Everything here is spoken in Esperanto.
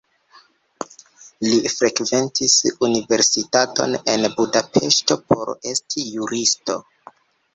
Li frekventis universitaton en Budapeŝto por esti juristo.